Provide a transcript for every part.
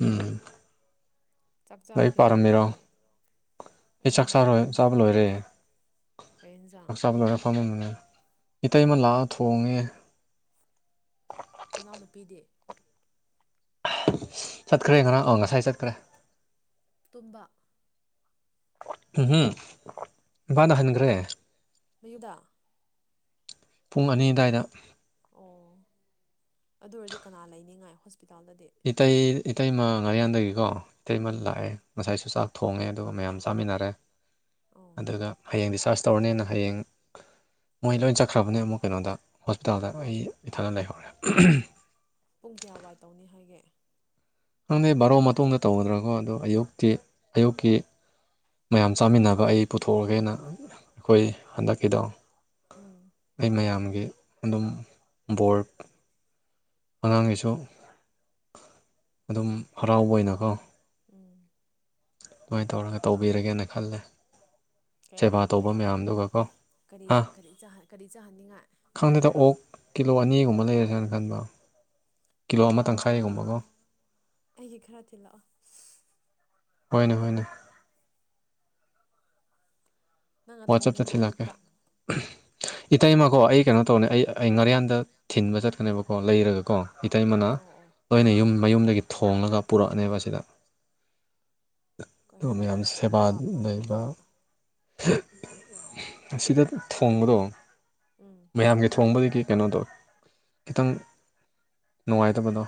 ꯎꯝ ꯆꯥꯛ ꯂꯥꯏꯔꯤꯛ ꯆꯥꯈꯤꯔꯣꯏꯗ꯭ꯔꯣ ꯄꯥꯔꯝꯃꯤꯔꯣ ꯅꯪ꯫ ꯑꯩ ꯆꯥꯛ ꯎꯝ ꯆꯥꯕ ꯂꯣꯏꯔꯦ ꯀꯩ ꯌꯦꯟꯁꯥꯡ ꯆꯥꯛ ꯆꯥꯕ ꯂꯣꯏꯔ [unintelligible] ꯏꯇꯩꯃ ꯂꯥꯛꯑ ꯊꯣꯡꯉꯦ꯫ ꯅꯅꯥꯎ ꯅꯨꯄꯤꯗꯤ꯫ ꯆꯠꯈ꯭ꯔꯦ ꯉꯔꯥꯡ ꯑ ꯉꯁꯥꯏ ꯆꯠꯈ꯭ꯔꯦ꯫ ꯇꯨꯝꯕ꯫ [unintelligible] ꯏꯝꯐꯥꯟꯗ ꯍꯟ [unintelligible] ꯄꯨꯡ ꯑꯅꯤ ꯑꯗꯨꯋꯥꯏꯗ꯫ ꯑꯣ ꯑꯗꯨ ꯑꯣꯏꯔꯗꯤ ꯀꯅꯥ ꯂꯩꯅꯤꯉꯥꯏ ꯍꯣꯁꯄꯤꯇꯥꯜꯗꯗꯤ꯫ ꯏꯇꯩ ꯏꯇꯩꯃ ꯉꯥꯔꯤꯌꯥꯟꯗꯒꯤꯀꯣ ꯏꯇꯩꯃ ꯎꯝ ꯂꯥꯛꯑꯦ꯫ ꯉꯁꯥꯏꯁꯨ ꯆꯥꯛ ꯊꯣꯡꯉꯦ ꯑꯗꯨꯒ ꯃꯌꯥꯝ ꯆꯥꯃꯤꯟꯅꯔꯦ꯫ ꯑꯣ ꯑꯗꯨꯒ ꯍꯌꯦꯡ ꯗꯤꯆꯥꯔꯖ ꯇꯧꯔꯅꯦꯅ ꯍꯌꯦꯡ ꯃꯣꯏ ꯂꯣꯏ ꯆꯠꯈ꯭ꯔꯕꯅꯦ ꯑꯃꯨꯛ ꯀꯩꯅꯣꯗ ꯍꯣꯁꯄꯤꯇꯥꯜꯗ ꯑꯩ ꯏꯊꯟꯗ ꯂꯩꯍꯧꯔꯦ꯫ ꯄꯨꯡ ꯀꯌꯥ ꯋꯥꯏ ꯇꯧꯅꯤ ꯍꯥꯏꯒꯦ꯫ ꯈꯪꯗꯦ ꯕꯥꯔꯣ ꯃꯇꯨꯡꯗ ꯇꯧꯒꯗ꯭ꯔꯥꯀꯣ ꯑꯗꯣ ꯑꯌꯨꯛꯇꯤ ꯑꯌꯨꯛꯀꯤ ꯃꯌꯥꯝ ꯆꯥꯃꯤꯟꯅꯕ ꯑꯩ ꯄꯨꯊꯣꯛꯑꯒꯦꯅ ꯑꯩꯈꯣꯏ ꯍꯟꯗꯛꯀꯤꯗꯣ꯫ ꯎꯝ ꯑꯩ ꯃꯌꯥꯝꯒꯤ ꯑꯗꯨꯝ ꯕꯣꯔ ꯑꯉꯥꯡꯒꯤꯁꯨ ꯑꯗꯨꯝ ꯍꯔꯥꯎꯕ ꯑꯣꯏꯅꯀꯣ꯫ ꯎꯝ ꯑꯗꯨꯃꯥꯏꯅ ꯇꯧꯔꯒ ꯇꯧꯕꯤꯔꯒꯦꯅ ꯈꯜꯂꯦ꯫ ꯀꯌꯥꯅꯣ ꯁꯦꯕꯥ ꯇꯧꯕ ꯀꯌꯥ ꯃꯌꯥꯝꯗꯨꯒꯀꯣ ꯀꯔꯤ ꯍꯥ ꯀꯔꯤ ꯀꯔꯤ ꯆꯥꯍꯟꯅꯤꯡꯉꯥꯏ꯫ ꯈꯪꯗꯦꯗ ꯑꯣꯛ ꯀꯤꯂꯣ ꯑꯅꯤꯒꯨꯝꯕ ꯂꯩꯔꯁꯦꯅ ꯈꯟꯕ꯫ ꯀꯤꯂꯣ ꯑꯃ ꯋꯥ ꯇꯪꯈꯥꯏꯒꯨꯝꯕꯀꯣ ꯑꯩꯒꯤ ꯈꯔ ꯊꯤꯜꯂꯛꯑꯣ꯫ ꯍꯣꯏꯅꯦ ꯍꯣꯏꯅꯦ ꯅꯪꯅ ꯋꯥꯆꯞꯇ ꯊꯣꯡꯅꯤꯡꯉꯥꯏ ꯊꯤꯜꯂꯛꯀꯦ ꯑꯌꯨꯛꯇ꯫ ꯏꯇꯩꯃꯀꯣ ꯑꯩ ꯀꯩꯅꯣ ꯇꯧꯅꯦ ꯑꯩ ꯑꯩ ꯉꯥꯔꯤꯌꯥꯟꯗ ꯊꯤꯟꯕ ꯆꯠꯀꯅꯦꯕꯀꯣ ꯂꯩꯔꯒꯀꯣ꯫ ꯏꯇꯩꯃꯅ ꯑꯣ ꯑꯣ ꯂꯣꯏꯅ ꯌꯨꯝ ꯃꯌꯨꯝꯗꯒꯤ ꯊꯣꯡꯂꯒ ꯄꯨꯔꯛꯑꯅꯦꯕ ꯁꯤꯗ꯫ ꯑꯗꯨ ꯀꯩꯅꯣ ꯃꯌꯥꯝ ꯍꯥꯏꯁꯤꯕꯨ ꯁꯦꯕꯥ ꯂꯩꯕ꯫ ꯂꯥꯞꯃꯟꯗ꯭ꯔꯣ ꯑꯁꯤꯗ ꯊꯣꯡꯕꯗꯣ ꯎꯝ ꯃꯌꯥꯝꯒꯤ ꯊꯣꯡꯕꯗꯒꯤ ꯀꯩꯅꯣꯗꯣ ꯈꯤꯇꯪ ꯅꯨꯡꯉꯥꯏꯇꯕꯗꯣ꯫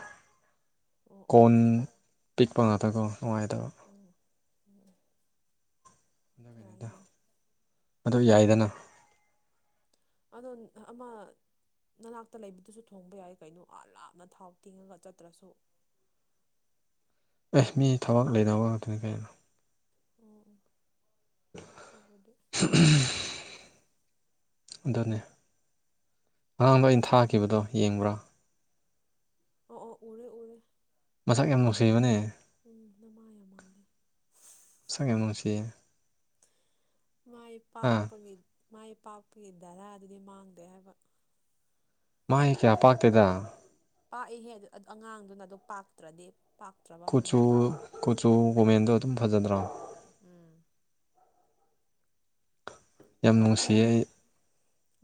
ꯑꯣ ꯑꯣ ꯑꯣ ꯀꯣꯟ ꯑꯣ ꯄꯤꯛꯄ ꯉꯥꯛꯇꯀꯣ ꯅꯨꯡꯉꯥꯏꯇꯕ꯫ ꯎꯝ ꯑꯗꯨ ꯒꯤꯅꯤꯗ꯫ ꯌꯥꯏ ꯌꯥꯏ ꯑꯗꯨ ꯌꯥꯏꯗꯅ꯫ ꯑꯗꯣ ꯑꯃ ꯅꯅꯥꯛꯇ ꯂꯩꯕꯗꯨꯁꯨ ꯊꯣꯡꯕ ꯌꯥꯏ ꯀꯩꯅꯣ ꯑꯥ ꯂꯥꯞꯅ ꯊꯥꯎ ꯇꯤꯡꯉꯒ ꯆꯠꯇ꯭ꯔꯁꯨ꯫ ꯑꯦ ꯃꯤ ꯊꯕꯛ ꯂꯩꯅꯕ ꯉꯥꯛꯇꯅꯤ ꯀꯩꯅꯣ꯫ ꯑꯣ ꯑꯣ ꯑꯗꯨꯕꯨꯗꯤ [unintelligible] ꯑꯗꯨꯅꯦ [unintelligible] ꯑꯩꯅ ꯊꯥꯈꯤꯕꯗꯣ ꯌꯦꯡꯕ꯭ꯔꯥ꯫ ꯑꯣ ꯑꯣ ꯎꯔꯦ ꯎꯔꯦ ꯃꯁꯛ ꯌꯥꯝ ꯅꯨꯡꯁꯤꯕꯅꯦ ꯎꯝ ꯅꯃꯥ ꯌꯥꯝ ꯃꯥꯜꯂꯦ ꯁꯛ ꯌꯥꯝ ꯅꯨꯡꯁꯤꯌꯦ ꯃꯥꯏ ꯑꯥ ꯄꯥꯛꯄꯒꯤ ꯃꯥꯏ ꯄꯥꯛꯄꯒꯤ ꯙꯔꯥꯗꯨꯗꯤ ꯃꯥꯡꯗꯦ ꯍꯥꯏꯕ ꯃꯥꯥꯏ ꯀꯌꯥ ꯄꯥꯛꯇꯦꯗ ꯄꯥꯛꯏꯍꯦ ꯑꯉꯥꯡꯗꯨꯅ ꯑꯗꯣ ꯄꯥꯛꯇ꯭ꯔꯗꯤ ꯄꯥꯛꯇ꯭ꯔꯕ ꯀꯨꯆꯨ ꯍꯥꯏꯕꯗꯨꯅꯤ ꯀꯨꯆꯨ ꯀꯨꯃꯦꯟꯗꯣ ꯑꯗꯨꯝ ꯐꯖꯗ꯭ꯔꯣ ꯎꯝ ꯌꯥꯝ ꯃꯤ ꯅꯨꯡꯁꯤꯌꯦ ꯑꯩ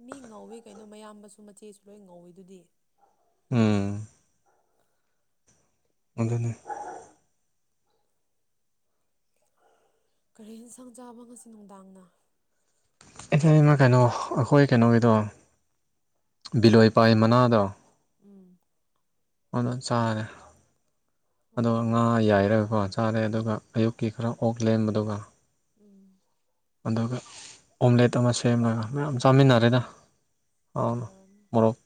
ꯃꯤ ꯉꯧꯋꯤ ꯀꯩꯅꯣ ꯃꯌꯥꯝꯕꯁꯨ ꯃꯆꯦꯁꯨ ꯂꯣꯏ ꯉꯧꯋꯤ ꯗꯨꯗꯤ ꯎꯝ ꯑꯗꯨꯅꯦ ꯀꯔꯤ ꯍꯦꯟꯁꯥꯡ ꯆꯥꯕ ꯉꯁꯤ ꯅꯨꯡꯗꯥꯡꯅ ꯑꯦꯊꯩꯃ ꯀꯩꯅꯣ ꯑꯈꯣꯏ ꯀꯩꯅꯣꯒꯤꯗꯣ ꯕꯤꯂꯣꯏ ꯄꯥꯏꯝ ꯅꯦꯄꯥꯏꯟ ꯃꯅꯥꯒ ꯎꯝ ꯑꯗꯣ ꯆꯥꯔꯦ ꯑꯣ ꯑꯗꯣ ꯑꯣ ꯉꯥ ꯌꯥꯏꯔꯒꯀꯣ ꯇꯥꯔꯦ ꯑꯗꯨꯒ ꯑꯌꯨꯛꯀꯤ ꯈꯔ ꯑꯣꯛ ꯂꯦꯝꯕꯗꯨꯒ ꯎꯝ ꯑꯗꯨꯒ ꯑꯣꯝꯂꯦꯠ ꯑꯃ ꯁꯦꯝꯂꯒ ꯃꯌꯥꯝ ꯆꯥꯃꯤꯟꯅꯔꯦꯗ ꯑꯥꯎꯅ ꯍꯥꯎꯔꯅꯤ ꯃꯣꯔꯣꯛ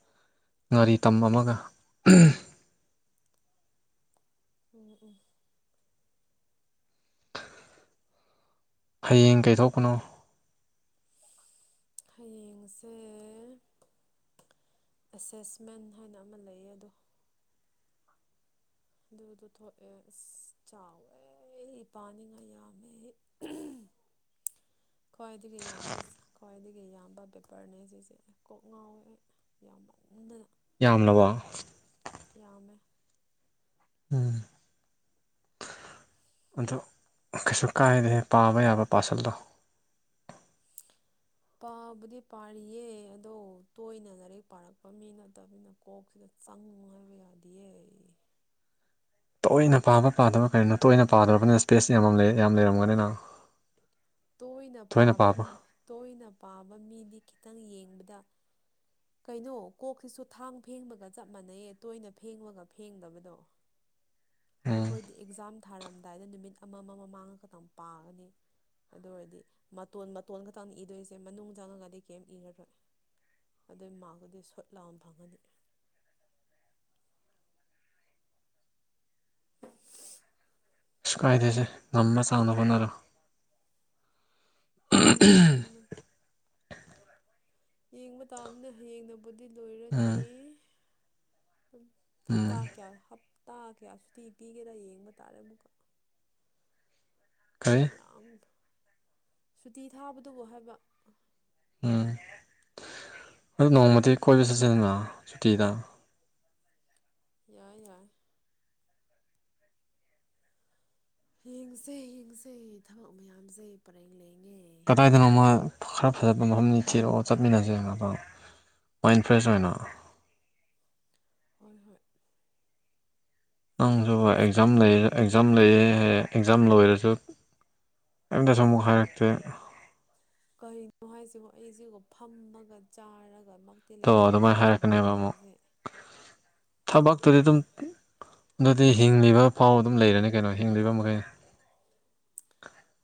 ꯉꯥꯔꯤ ꯇꯝ ꯑꯃꯒ ꯎꯝ ꯎꯝ ꯍꯌꯦꯡ ꯀꯩꯏꯊꯣꯛꯄꯅꯣ ꯍꯌꯦꯡꯁꯦ ꯑꯦꯁꯦꯁꯃꯦꯟ ꯍꯥꯏꯅ ꯑꯃ ꯂꯩꯌꯦ ꯑꯗꯣ ꯑꯗꯨꯗꯣ ꯊꯣꯛꯑꯦ ꯑꯁ ꯆꯥꯎꯋꯦ ꯄꯥꯅꯤꯡꯉꯥꯏ ꯌꯥꯝꯃꯦ [inaudible] ꯈ꯭ꯋꯥꯏꯗꯒꯤ ꯌꯥꯝꯕ ꯈ꯭ꯋꯥꯏꯗꯒꯤ ꯌꯥꯝꯕ ꯄꯦꯄꯔꯅꯦ ꯖꯤꯖꯦ ꯀꯣꯛ ꯉꯥꯎꯋꯦ ꯑꯩ ꯌꯥꯝꯕ ꯎꯝꯗꯅ ꯌꯥꯝꯂꯕꯣ ꯌꯥꯝꯃꯦ ꯎꯝ ꯑꯟꯇꯣ ꯀꯩꯁꯨ ꯀꯥꯏꯗꯦꯌꯦ ꯄꯥꯕ ꯌꯥꯕ ꯄꯥꯁꯜꯂꯣ ꯄꯥꯕꯨꯗꯤ ꯄꯥꯔꯤꯌꯦ ꯑꯗꯣ ꯇꯣꯏꯅ ꯂꯥꯏꯔꯤꯛ ꯄꯥꯔꯛꯄ ꯃꯤ ꯅꯠꯇꯕꯅ ꯀꯣꯛꯁꯤꯗ ꯆꯪꯉꯣ ꯍꯥꯏꯕ ꯌꯥꯗꯤꯌꯦ ꯇꯣꯏꯅ ꯄꯥꯕ ꯄꯥꯗꯕ ꯀꯔꯤꯅꯣ ꯇꯣꯏꯅ ꯄꯥꯗꯔꯕꯅꯤꯅ ꯏꯁꯄꯦꯁ ꯌꯥꯝꯃꯝ ꯂꯩꯌꯦ ꯌꯥꯝꯂꯩꯔꯝꯒꯅꯤꯅ ꯇꯣꯏꯅ ꯄꯥꯕ ꯇꯣꯏꯅ ꯄꯥꯕ ꯃꯤꯗꯤ ꯈꯤꯇꯪ ꯌꯦꯡꯕꯗ ꯀꯩꯅꯣ ꯀꯣꯛꯁꯤꯁꯨ ꯊꯥꯡ ꯐꯦꯡꯕꯒ ꯆꯞ ꯃꯥꯟꯅꯩꯌꯦ ꯇꯣꯏꯅ ꯐꯦꯡꯕꯒ ꯐꯦꯡꯗꯕꯗꯣ [inaudible] ꯑꯈꯣꯏꯗꯤ ꯑꯦꯛꯖꯥꯝ ꯊꯥꯔꯝꯗꯥꯏꯗ ꯅꯨꯃꯤꯠ ꯑꯃꯝꯃꯝ ꯃꯃꯥꯡꯉ ꯈꯛꯇꯪ ꯄꯥꯒꯅꯤ ꯑꯗꯨ ꯑꯣꯏꯔꯗꯤ ꯃꯇꯣꯟ ꯃꯇꯣꯟ ꯈꯛꯇꯪꯅꯤ ꯏꯗꯣꯏꯁꯦ ꯃꯅꯨꯡ ꯆꯪꯉꯒꯗꯤ ꯀꯩꯝ ꯏꯔꯔꯣꯏ ꯑꯗꯨꯏ ꯃꯥꯛꯀꯨꯗꯤ ꯁꯣꯠ ꯂꯥꯎꯟ ꯐꯪꯉꯅꯤ ꯁꯨꯛ ꯀꯥꯏꯗꯦꯁꯦ ꯉꯝꯕ ꯆꯥꯡꯅ ꯍꯣꯅꯔꯣ ꯑꯗꯨꯕꯨ ꯑꯗꯨꯗꯨꯅ ꯌꯦꯡꯕ ꯇꯥꯕꯅꯦ ꯍꯌꯦꯡꯅꯕꯨꯗꯤ ꯂꯣꯏꯔꯅꯤ ꯎꯝ ꯍꯞꯇꯥ ꯎꯝ ꯀꯌꯥ ꯍꯞꯇꯥ ꯀꯌꯥ ꯁꯨꯇꯤ ꯄꯤꯒꯦꯔꯥ ꯌꯦꯡꯕ ꯇꯥꯔꯦ ꯑꯃꯨꯛꯀ ꯀꯔꯤ ꯌꯥꯝ ꯁꯨꯇꯤ ꯊꯥꯕꯗꯨꯕꯨ ꯍꯥꯏꯕ ꯎꯝ ꯑꯗꯨ ꯅꯣꯡꯃꯗꯤ ꯀꯣꯏꯕ ꯆꯠꯁꯦꯗꯅ ꯁꯨꯇꯤꯗ ꯌꯥꯏ ꯌꯥꯏ ꯌꯦꯡꯁꯦ ꯌꯦꯡꯁꯦ ꯊꯕꯛ ꯃꯌꯥꯝꯁꯦ ꯄꯔꯦꯡ ꯂꯦꯡꯉꯦ ꯀꯗꯥꯏꯗꯅꯣ ꯑꯃ ꯈꯔ ꯐꯖꯕ ꯃꯐꯝꯅꯤ ꯊꯤꯔꯛꯑꯣ ꯆꯠꯃꯤꯟꯅꯁꯦꯗꯅ ꯑꯗꯣ ꯃꯥꯏꯟ ꯐ꯭ꯔꯦꯁ ꯑꯣꯏꯅ ꯍꯣꯏ ꯍꯣꯏ ꯅꯪꯁꯨꯕ ꯑꯁ ꯑꯦꯛꯖꯥꯝ ꯂꯩ ꯈꯪꯗꯦꯗ ꯑꯦꯛꯖꯥꯝ ꯂꯩ ꯌꯦ ꯍꯥꯏꯌꯦ ꯑꯦꯛꯖꯥꯝ ꯂꯣꯏꯔꯁꯨ ꯑꯥꯏꯝꯇꯁꯨ ꯑꯃꯨꯛ ꯍꯥꯏꯔꯛꯇꯦ ꯀꯩꯅꯣ ꯍꯥꯏꯁꯤꯕꯣ ꯑꯩꯁꯤꯒꯣ ꯐꯝꯃꯒ ꯆꯥꯔꯒ ꯃꯪ ꯇꯤ ꯇꯣ ꯂꯩꯇꯤꯌꯦ ꯑꯗꯨꯃꯥꯏꯅ ꯊꯕꯛ ꯍꯥꯏꯔꯛꯀꯅꯦꯕ ꯑꯃꯨꯛ ꯃꯌꯥꯝꯖꯦ ꯊꯕꯛꯇꯨꯗꯤ ꯑꯗꯨꯝ ꯑꯗꯨꯗꯤ ꯍꯤꯡꯂꯤꯕ ꯐꯥꯎ ꯑꯗꯨꯝ ꯂꯩꯔꯅꯤ ꯀꯩꯅꯣ ꯍꯤꯡꯂꯤꯕ ꯃꯈꯩ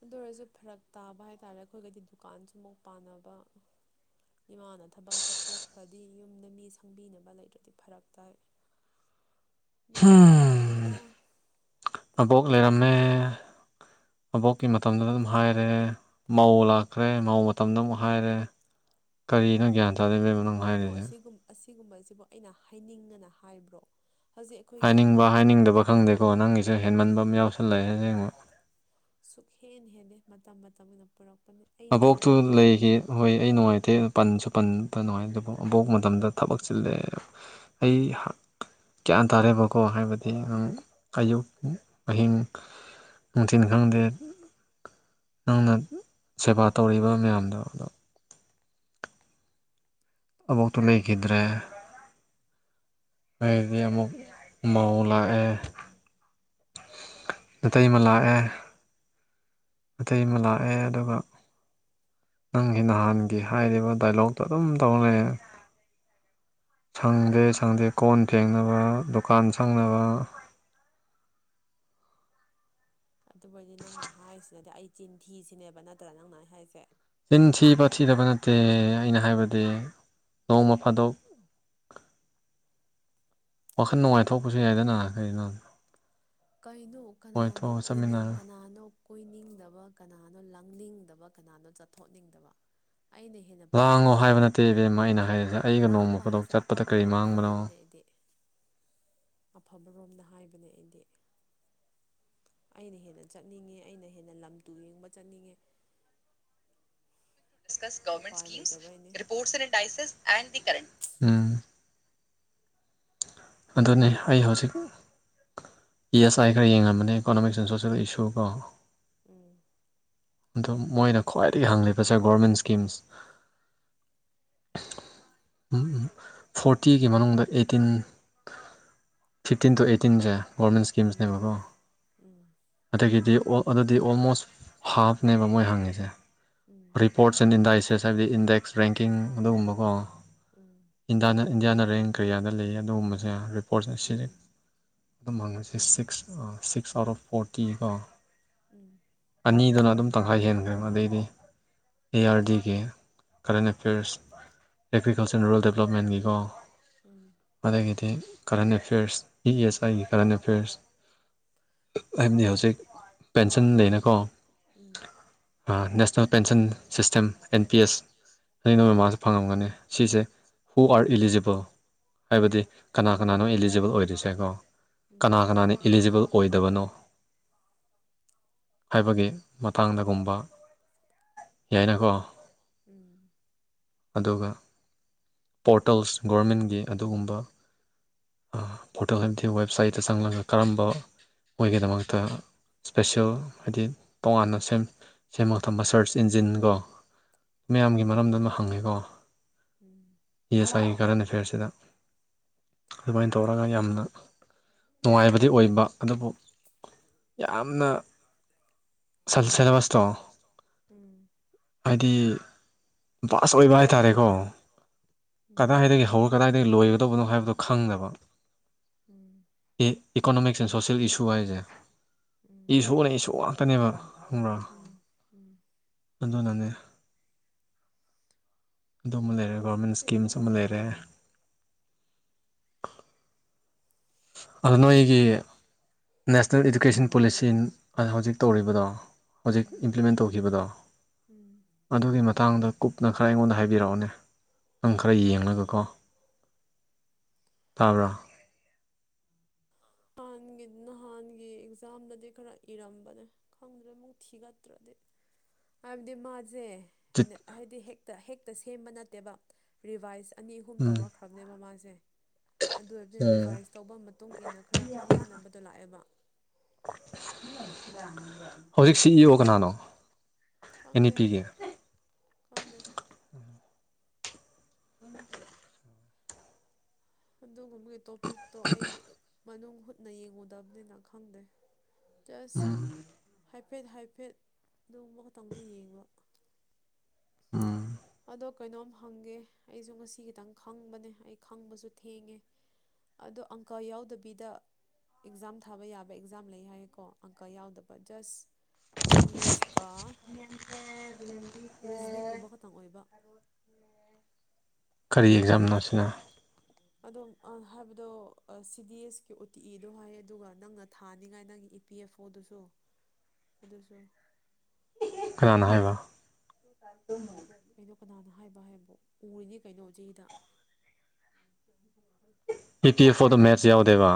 ꯑꯗꯨ ꯑꯣꯏꯔꯁꯨ ꯐꯔꯛ ꯇꯥꯕ ꯍꯥꯏꯇꯥꯔꯦ ꯑꯩꯈꯣꯏꯒꯗꯤ ꯗꯨꯀꯥꯟꯁꯨ ꯑꯃꯨꯛ ꯄꯥꯟꯅꯕ ꯏꯃꯥꯅ ꯊꯕꯛ ꯆꯠꯊꯣꯛꯈ꯭ꯔꯗꯤ ꯌꯨꯝꯗ ꯃꯤ ꯁꯪꯕꯤꯅꯕ ꯂꯩꯇ꯭ꯔꯗꯤ ꯐꯔꯛ ꯇꯥꯏ [unintelligible] ꯗꯨꯒꯤ ꯍꯣꯠꯅꯕꯅꯦꯗ ꯍꯝ ꯑꯕꯣꯛ ꯂꯩꯔꯝꯃꯦ ꯑꯕꯣꯛꯀꯤ ꯃꯇꯝꯗꯨꯗ ꯑꯗꯨꯝ ꯍꯥꯏꯔꯦ ꯃꯧ ꯂꯥꯛꯈ꯭ꯔꯦ ꯃꯧ ꯃꯇꯝꯗ ꯑꯃꯨꯛ ꯍꯥꯏꯔꯦ ꯀꯔꯤꯅꯣ ꯒ꯭ꯌꯥꯟ ꯇ ꯀꯩꯅꯣ ꯑꯁꯤꯒꯨꯝ ꯑꯁꯤꯒꯨꯝꯕꯁꯤꯕꯣ ꯑꯩꯅ ꯍꯥꯏꯅꯤꯡꯒꯅ ꯍꯥꯏꯕ꯭ꯔꯣ ꯍꯧꯖꯤꯛ ꯑꯩꯈꯣꯏꯒꯤ ꯍꯥꯏꯅꯤꯡꯕ ꯍꯥꯏꯅꯤꯡꯗꯕ ꯑꯩꯈꯣꯏ ꯈꯪꯗꯦꯀꯣ ꯅꯪꯒꯤꯁꯦ ꯍꯦꯟꯃꯟꯕꯃꯥ ꯌꯥꯎꯁꯜꯂꯛꯑꯦ ꯁꯦꯡꯕ ꯁꯨꯛ ꯍꯦꯟ ꯍꯦꯟꯗꯦ ꯃꯇꯝ ꯃꯇꯝ ꯒꯤꯅ ꯄꯨꯔꯛꯄꯅꯦ ꯑꯩꯅ ꯑꯕꯣꯛꯇꯨ ꯍꯦꯟꯅꯂꯝꯕ ꯂꯩꯈꯤ ꯍꯣꯏ ꯑꯩ ꯅꯨꯡꯉꯥꯏꯇꯦ ꯄꯟꯁꯨ ꯄꯟ ꯄ ꯅꯨꯡꯉꯥꯏ ꯑꯗꯨꯕꯨ ꯑꯕꯣꯛ ꯃꯇꯝꯗ ꯊꯕꯛ ꯆꯤꯜꯂꯦ ꯑꯩ ꯒ꯭ꯌꯥꯟ ꯇꯥꯔꯦꯕꯀꯣ ꯍꯥꯏꯕꯗꯤ ꯎꯝ ꯑꯌꯧꯛ ꯑꯍꯤꯡ ꯅꯨꯡꯊꯤꯟ ꯈꯪꯗꯦ ꯅꯪꯅ ꯁꯦꯕꯥ ꯇꯧꯔꯤꯕ ꯃꯌꯥꯝꯗꯣ ꯑꯗꯣ ꯑꯕꯣꯛꯇꯨ ꯂꯩꯈꯤꯗ꯭ꯔꯦ ꯑꯩꯗꯤ ꯑꯃꯨꯛ ꯃꯧ ꯂꯥꯛꯑꯦ ꯅꯥꯇꯩꯃ ꯂꯥꯛꯑꯦ ꯅꯥꯇꯩꯃ ꯂꯥꯛꯑꯦ ꯑꯗꯨꯒ ꯅꯪꯒꯤ ꯅꯍꯥꯟꯒꯤ ꯍꯥꯏꯔꯤꯕ ꯗꯥꯏꯂꯣꯛꯇꯣ ꯑꯗꯨꯝ ꯇꯧꯂꯩꯔꯦ ꯁꯪꯗꯦ ꯁꯪꯗꯦ ꯀꯣꯟ ꯐꯦꯡꯅꯕ ꯗꯨꯀꯥꯟ ꯁꯪꯅꯕ ꯑꯗꯨꯕꯨ ꯑꯩꯗꯤ ꯅꯪꯅ ꯍꯥꯏꯔꯤꯁꯤꯅꯗꯤ ꯑꯩ ꯆꯤꯟꯊꯤ ꯁꯤꯅꯦꯕ ꯅꯠꯇ꯭ꯔꯥ ꯅꯪꯅ ꯑꯩ ꯍꯥꯏꯁꯦ ꯆꯤꯟꯊꯤꯕ ꯑꯩ ꯊꯤꯗꯕ ꯅꯠꯇꯦ ꯑꯩꯅ ꯍꯥꯏꯕꯗꯤ ꯅꯣꯡꯃ ꯐꯥꯗꯣꯛ ꯋꯥꯈꯜ ꯅꯨꯡꯉꯥꯏꯊꯣꯛꯄꯁꯨ ꯌꯥꯏꯗꯅ ꯀꯩꯅꯣ ꯀꯩꯅꯣ ꯀꯅꯥꯅꯣ ꯀꯣꯏꯊꯣꯛꯑ ꯀꯣꯏꯅꯤꯡ ꯆꯠꯃꯤꯟꯅꯔꯒ ꯀꯅꯥꯅꯣ ꯀꯣꯏꯅꯤꯡꯗꯕ ꯀꯅꯥꯅꯣ ꯂꯥꯡꯅꯤꯡꯗꯕ ꯀꯅꯥꯅꯣ ꯆꯠꯊꯣꯛꯅꯤꯡꯗꯕ ꯑꯩꯅ ꯍꯦꯟꯅ ꯂꯥꯡꯉꯣ ꯄꯥꯝꯃꯤꯅꯦ ꯍꯥꯏꯕ ꯅꯠꯇꯦ ꯏꯕꯦꯝꯃ ꯑꯩꯅ ꯍꯥꯏꯔꯤꯁꯦ ꯑꯩꯒ ꯅꯣꯡꯃ ꯂꯥꯡꯕ ꯐꯗꯣꯛ ꯍꯥꯏꯁꯦ ꯆꯠꯄꯗ ꯀꯔꯤ ꯑꯐꯕꯔꯣꯝꯗ ꯃꯥꯡꯕꯅꯣ [inaudible] ꯍꯥꯏꯕꯅꯦ ꯑꯩꯗꯤ ꯑꯐꯕꯔꯣꯝꯗ ꯍꯥꯏꯕꯅꯦ ꯑꯩꯗꯤ ꯑꯩꯅ ꯍꯦꯟꯅ ꯆꯠꯅꯤꯡꯉꯦ ꯑꯩꯅ ꯍꯦꯟꯅ ꯂꯝ ꯇꯨ ꯌꯦꯡꯕ ꯆꯠꯅꯤꯡꯉꯦ ꯗꯤꯁꯀꯁ ꯒꫭꯃꯦꯟꯠ ꯎꯄꯥꯏ ꯁꯀꯤꯝꯁ ꯂꯩꯇꯕꯩꯅꯦ ꯔꯤꯄꯣꯔꯁ ꯑꯦꯟ ꯗꯥꯏꯁꯦꯁ ꯑꯦꯟꯗꯤ ꯀꯔꯦꯟ ꯎꯝ ꯑꯗꯨꯅꯦ ꯑꯩ ꯍꯧꯖꯤꯛ ꯌꯦꯁ ꯑꯥꯏ ꯈꯔ ꯌꯦꯡꯉꯝꯕꯅꯦ ꯏꯀꯣꯅꯣꯃꯤꯛꯁ ꯑꯦꯟ ꯁꯣꯁꯦꯜ ꯏꯁꯨ ꯀꯣ ꯎꯝ ꯑꯗꯣ ꯃꯣꯏꯅ ꯈ꯭ꯋꯥꯏꯗꯒꯤ ꯍꯪꯂꯤꯕꯁꯦ ꯒꯣꯔꯃꯦꯟ ꯁ꯭ꯀꯤꯝꯁ ꯐꯣꯔꯇꯤꯒꯤ ꯃꯅꯨꯡꯗ ꯑꯦꯇꯤꯟ ꯐꯤꯞꯇꯤꯟ ꯇꯨ ꯑꯩꯠꯇꯤꯟꯁꯦ ꯒꯣꯔꯃꯦꯟ ꯎꯝ ꯁ꯭ꯀꯤꯝꯁꯅꯦꯕꯀꯣ ꯎꯝ ꯑꯗꯒꯤꯗꯤ ꯑꯗꯨꯗꯤ ꯑꯣꯜꯃꯣꯁ ꯍꯥꯞꯅꯦꯕ ꯃꯣꯏ ꯍꯪꯉꯤꯁꯦ ꯎꯝ ꯔꯤꯄꯣꯔꯠ ꯁꯦꯅꯤꯇꯥꯏꯁꯦꯁꯟꯗꯤ ꯏꯟꯗꯦꯛꯁ ꯔꯦꯡꯀꯤꯡ ꯑꯗꯨꯒꯨꯝꯕꯀꯣ ꯎꯝ ꯎꯝ ꯏꯟꯗꯤꯌꯥꯅ ꯏꯟꯗꯤꯌꯥꯅ ꯔꯦꯡ ꯀꯔꯤꯌꯥꯗ ꯂꯩꯑꯦ ꯑꯗꯨꯒꯨꯝꯕꯁꯦ ꯔꯤꯄꯣꯔꯠꯁ ꯎꯝ ꯎꯝ ꯎꯝ ꯎꯝ ꯎꯝ ꯑꯁꯤ ꯎꯝ ꯑꯗꯨꯝ [unintelligible] six six six out of forty ꯀꯣ ꯎꯝ ꯑꯅꯤꯗꯨꯅ ꯑꯗꯨꯝ ꯇꯪꯈꯥꯏ ꯍꯦꯟꯈ꯭ꯔꯦꯕ ꯑꯗꯩꯗꯤ ꯑꯦ ꯑꯥꯔ ꯗꯤꯒꯤ ꯀꯔꯦꯟ ꯑꯦꯐꯤꯌꯔꯁ [unintelligible] ꯑꯦꯒ꯭ꯔꯤꯀꯜꯆꯔ ꯔꯨꯔꯦꯜ ꯗꯦꯕꯂꯞꯃꯦꯟꯒꯤꯀꯣ ꯎꯝ ꯑꯗꯒꯤꯗꯤ ꯀꯔꯦꯟ ꯑꯦꯐꯤꯌꯔꯁ ꯏ ꯑꯦꯁ ꯑꯥꯏꯒꯤ ꯀꯔꯦꯟ ꯑꯦꯐꯤꯌꯔꯁ ꯍꯥꯏꯕꯅꯤ ꯍꯧꯖꯤꯛ ꯄꯦꯟꯁꯟ [unintelligible] ꯎꯝ ꯑ ꯅꯦꯁ national pension system N P ꯑꯦꯁ [unintelligible] ꯃꯥꯁꯨ ꯐꯪꯉꯝꯒꯅꯤ ꯁꯤꯁꯦ ꯍꯨ ꯑꯥꯔ ꯏꯂꯤꯖꯤꯕꯜ ꯍꯥꯏꯕꯗꯤ ꯀꯅꯥ ꯀꯅꯥꯅꯣ ꯏꯂꯤꯖꯤꯕꯜ ꯑꯣꯏꯔꯤꯁꯦ ꯀꯣ ꯀꯅꯥ ꯀꯅꯥꯅꯣ ꯏꯂꯤꯖꯤꯕꯜ ꯑꯣꯏꯗꯕꯅꯣ ꯍꯥꯏꯕꯒꯤ ꯃꯇꯥꯡꯗꯒꯨꯝꯕ ꯌꯥꯏꯅꯀꯣ ꯎꯝ ꯑꯗꯨꯒ ꯄꯣꯔꯇꯜꯁ ꯒꯣꯔꯃꯦꯟꯒꯤ ꯑꯗꯨꯒꯨꯝꯕ ꯄꯣꯔꯇꯜ ꯍꯥꯏꯕꯗꯤ ꯋꯦꯕꯁꯥꯏꯠ ꯗ ꯆꯪꯂꯒ ꯀꯔꯝꯕ ꯃꯣꯏꯒꯤꯗꯃꯛꯇ ꯏꯁꯄꯦꯁꯤꯜ ꯍꯥꯏꯗꯤ ꯇꯣꯉꯥꯟꯅ ꯁꯦꯝ ꯁꯦꯝꯃ ꯊꯝꯕ ꯁꯔꯁ ꯏꯟꯖꯤꯟꯒꯣ ꯃꯌꯥꯝꯒꯤ ꯃꯔꯝꯗ ꯑꯃ ꯍꯪꯉꯦꯀꯣ ꯎꯝ ꯏ ꯑꯦꯁ ꯑꯥꯏꯒꯤ ꯀꯔꯦꯟ ꯑꯦꯐꯤꯌꯔꯁꯤꯗ ꯑꯗꯨꯃꯥꯏꯟ ꯇꯧꯔꯒ ꯌꯥꯝꯅ ꯅꯨꯡꯉꯥꯏꯕꯗꯤ ꯑꯣꯏꯕ ꯑꯗꯨꯕꯨ ꯌꯥꯝꯅ ꯁꯞ ꯁꯦꯂꯦꯕꯁꯇꯣ ꯍꯥꯏꯗꯤ ꯕꯥꯁ ꯑꯣꯏꯕ ꯍꯥꯏꯇꯥꯔꯦꯀꯣ ꯀꯗꯥꯏꯗꯒꯤ ꯍꯧꯔꯒ ꯀꯗꯥꯏꯗꯩ ꯂꯣꯏꯒꯗꯧꯕꯅꯣ ꯍꯥꯏꯕꯗꯣ ꯈꯪꯗꯕ ꯎꯝ ꯑꯦ ꯏꯀꯣꯅꯣꯃꯤꯛꯁ ꯑꯦꯟ ꯁꯣꯁꯦꯜ ꯏꯁꯨ ꯍꯥꯏꯁꯦ ꯎꯝ ꯎꯝ ꯏꯁꯨꯅ ꯏꯁꯨ ꯉꯥꯛꯇꯅꯦꯕ ꯈꯪꯕ꯭ꯔꯥ ꯎꯝ ꯎꯝ ꯑꯗꯨꯅꯅꯦ ꯑꯗꯨꯝ ꯑꯃ ꯂꯩꯔꯦ ꯑꯣ ꯒꯣꯔꯃꯦꯟ ꯁ꯭ꯀꯤꯝꯁ ꯑꯃ ꯂꯩꯔꯦ ꯑꯗꯣ ꯅꯣꯏꯒꯤ ꯅꯦꯁꯅꯦꯜ ꯏꯗꯨꯀꯦꯁꯟ ꯄꯣꯂꯤꯁꯤ ꯍꯧꯖꯤꯛ ꯇꯧꯔꯤꯕꯗꯣ ꯍꯧꯖꯤꯛ ꯎꯝ ꯏꯝꯄ꯭ꯂꯤꯃꯦꯟ ꯇꯧꯈꯤꯕꯗꯣ ꯎꯝ ꯑꯗꯨꯒꯤ ꯃꯇꯥꯡꯗ ꯀꯨꯞꯅ ꯈꯔ ꯑꯩꯉꯣꯟꯗ ꯍꯥꯏꯕꯤꯔꯛꯑꯣꯅꯦ ꯅꯪ ꯈꯔ ꯌꯦꯡꯂꯒꯥꯀꯣ ꯇꯥꯕ꯭ꯔꯥ ꯅꯍꯥꯟꯒꯤ ꯅꯍꯥꯟꯒꯤ ꯑꯦꯛꯖꯥꯝꯗꯗꯤ ꯈꯔ ꯏꯔꯝꯕꯅꯦ ꯈꯪꯗ꯭ꯔ ꯑꯃꯨꯛ ꯊꯤꯒꯠꯇ꯭ꯔꯗꯤ ꯍꯥꯏꯕꯗꯤ ꯃꯥꯁꯦ ꯖꯤꯠ ꯍꯥꯏꯗꯤ ꯍꯦꯛꯇ ꯍꯦꯛꯇ ꯁꯦꯝꯕ ꯅꯠꯇꯦꯕ ꯔꯤꯚꯥꯏꯁ ꯑꯅꯤ ꯑꯍꯨꯝ ꯎꯝ ꯇꯧꯔꯈ ꯈ꯭ꯔꯕꯅꯦꯕ ꯃꯥꯁꯦ ꯑꯗꯨ ꯑꯣꯏꯗꯤ ꯔꯤꯚꯥꯏꯁ ꯇꯧꯕ ꯃꯇꯨꯡꯏꯟꯅ ꯈꯔ ꯈꯔ ꯈꯦꯠꯅꯕꯗꯣ ꯂꯥꯛꯑꯦꯕ [unintelligible] ꯍꯧꯖꯤꯛ ꯁꯤ ꯏ ꯑꯣ ꯍꯧꯖꯤꯛ ꯁꯤ ꯀꯅꯥꯅꯣ ꯏ ꯑꯣ ꯀꯅꯥꯅꯣ ꯑꯦꯟ ꯏ ꯈꯪꯗꯦ ꯑꯩ ꯄꯤꯒꯤ ꯈꯪꯗꯦ [unintelligible] ꯑꯗꯨꯒꯨꯝꯕꯒꯤ ꯇꯣꯄꯤꯛꯇꯣ ꯑꯩ ꯃꯅꯨꯡ ꯍꯨꯠꯅ ꯌꯦꯡꯉꯨꯗꯕꯅꯤꯅ ꯈꯪꯗꯦ ꯖꯁ ꯍꯥꯏꯐꯦꯠ ꯍꯥꯏꯐꯦꯠ ꯑꯗꯨꯒꯨꯝꯕ ꯈꯛꯇꯪꯅꯤ ꯌꯦꯡꯕ ꯎꯝ ꯑꯗꯣ ꯀꯩꯅꯣꯝ ꯍꯪꯒꯦ ꯑꯩꯁꯨ ꯉꯁꯤ ꯈꯤꯇꯪ ꯈꯪꯕꯅꯦ ꯑꯩ ꯈꯪꯕꯁꯨ ꯊꯦꯡꯉꯦ ꯑꯗꯣ ꯑꯪꯀ ꯌꯥꯎꯗꯕꯤꯗ ꯑꯦꯛꯖꯥꯝ ꯊꯥꯕ ꯌꯥꯕ ꯑꯦꯛꯖꯥꯝ ꯂꯩ ꯍꯥꯏꯌꯦꯀꯣ ꯑꯪꯀ ꯌꯥꯎꯗꯕ ꯖꯁ ꯏꯪꯂꯤꯁ ꯀ ꯔꯤꯖꯅꯤꯡ ꯒꯨꯝꯕ ꯈꯛ ꯀꯔꯤ ꯑꯦꯛꯖꯥꯝꯅꯣ ꯁꯤꯅ ꯑꯗꯨꯝ ꯑ ꯍꯥꯏꯕꯗꯣ ꯁꯤ ꯗꯤ ꯑꯦꯁꯀꯤ ꯎꯇꯤ ꯏꯗꯣ ꯍꯥꯏꯌꯦ ꯑꯗꯨꯒ ꯅꯪꯅ ꯊꯥꯅꯤꯉꯥꯏ ꯅꯪꯒꯤ ꯄꯤ ꯑꯦꯐ ꯑꯣꯗꯨꯁꯨ ꯑꯗꯨꯁꯨ ꯀꯅꯥꯅ ꯍꯥꯏꯕ ꯀꯩꯅꯣ ꯀꯅꯥꯅ ꯍꯥꯏꯕ ꯍꯥꯏꯕꯨ ꯎꯔꯤꯅꯤ ꯀꯩꯅꯣ ꯆꯦꯗ ꯏ ꯄꯤ ꯑꯦꯐ ꯑꯣꯗꯨ ꯃꯦꯠꯁ ꯌꯥꯎꯗꯦꯕ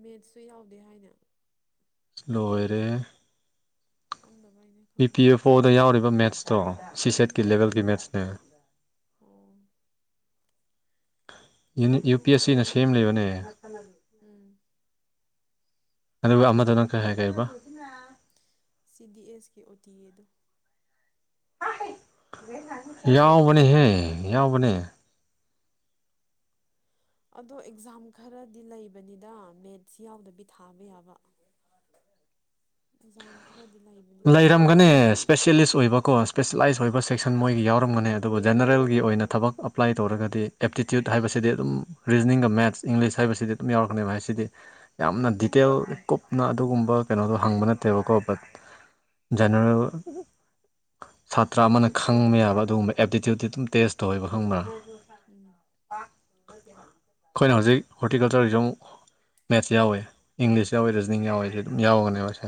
ꯃꯦꯠꯁꯁꯨ ꯌꯥꯎꯗꯦ ꯍꯥꯏꯅ ꯂꯣꯏꯔꯦꯍꯦ ꯈꯪꯗꯕꯩꯅꯦ ꯈꯪꯗꯦ ꯏ ꯄꯤ ꯑꯦꯐ ꯑꯣꯗ ꯌꯥꯎꯔꯤꯕ ꯃꯦꯠꯁꯇꯣ ꯎꯝ ꯁꯤꯁꯦꯠꯀꯤ ꯂꯦꯚꯦꯜꯀꯤ ꯃꯦꯠꯁꯅꯦ ꯑꯣ ꯌꯨ ꯍꯣ ꯄꯤ ꯍꯣ ꯑꯦꯁ ꯁꯤꯅ ꯑꯣꯏꯔꯝꯕꯌꯥꯏ ꯁꯦꯝꯂꯤꯕꯅꯦ ꯎꯝ ꯑꯗꯨꯒ ꯑꯃꯠ ꯁꯤ ꯗꯤ ꯑꯦꯁ ꯀꯤ ꯑꯣ ꯇꯤ ꯑꯦꯗꯣ ꯌꯥꯎꯕꯅꯦꯍꯦ ꯌꯥꯎꯕꯅꯦ ꯑꯗꯣ ꯑꯦꯛꯖꯥꯝ ꯈꯔꯗꯤ ꯂꯩꯕꯅꯤꯗ ꯃꯦꯠꯁ ꯌꯥꯎꯗꯕꯤ ꯊꯥꯕ ꯌꯥꯕ ꯑꯦꯛꯖꯥꯝ ꯈꯔꯗꯤ ꯂꯩꯕ ꯂꯩꯔꯝꯒꯅꯤ ꯁ꯭ꯄꯦꯁꯦꯂꯤꯁ ꯑꯣꯏꯕꯀꯣ ꯁ꯭ꯄꯦꯁꯦꯂꯥꯏꯁ ꯑꯣꯏꯕ ꯁꯦꯛꯁꯟ ꯃꯣꯏꯒꯤ ꯌꯥꯎꯔꯝꯒꯅꯤ ꯑꯗꯨꯕꯨ ꯖꯦꯅꯔꯦꯜꯒꯤ ꯑꯣꯏꯅ ꯊꯕꯛ ꯑꯄ꯭ꯂꯥꯏ ꯇꯧꯔꯒꯗꯤ ꯑꯦꯞꯇꯤꯇ꯭ꯌꯨꯠ ꯍꯥꯏꯕꯁꯤꯗꯤ ꯑꯗꯨꯝ ꯔꯤꯖꯅꯤꯡꯒ ꯃꯦꯠꯁ ꯏꯪꯂꯤꯁ ꯍꯥꯏꯕꯁꯤꯗꯤ ꯑꯗꯨꯝ ꯌꯥꯎꯔꯛꯀꯅꯦꯕ ꯍꯥꯏꯁꯤꯗꯤ ꯌꯥꯝꯅ ꯗꯤꯇꯦꯜ ꯀꯨꯞꯅ ꯑꯗꯨꯒꯨꯝꯕ ꯀꯩꯅꯣꯗꯣ ꯍꯪꯕ ꯅꯠꯇꯦꯕꯀꯣ ꯕꯠ ꯖꯦꯅꯔꯦꯜ ꯁꯥꯇ꯭ꯔ ꯑꯃꯅ ꯈꯪꯕ ꯌꯥꯕ ꯑꯗꯨꯒꯨꯝꯕ ꯑꯦꯞꯇꯤꯇ꯭ꯌꯨꯠꯇꯤ ꯑꯗꯨꯝ ꯇꯦꯁ ꯇꯧꯋꯦꯕ ꯈꯪꯕ꯭ꯔ ꯎꯝ ꯈꯣꯏꯅ ꯍꯧꯖꯤꯛ ꯍꯣꯔꯇꯤꯀꯜꯆꯔꯒꯤ ꯖꯤꯃꯨꯛ ꯃꯦꯠꯁ ꯌꯥꯎꯋꯦ ꯏꯪꯂꯤꯁ ꯌꯥꯎꯋꯦ ꯔꯤꯖꯅꯤꯡ ꯌꯥꯎꯋꯦ ꯁꯤ ꯑꯗꯨꯝ ꯌꯥꯎꯒꯅꯦꯕꯁꯦ